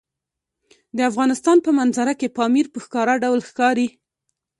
د افغانستان په منظره کې پامیر په ښکاره ډول ښکاري.